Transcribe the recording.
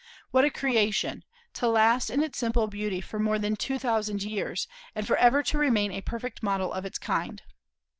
What a creation, to last in its simple beauty for more than two thousand years, and forever to remain a perfect model of its kind!